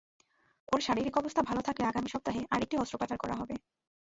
ওর শারীরিক অবস্থা ভালো থাকলে আগামী সপ্তাহে আরেকটি অস্ত্রোপচার করা হবে।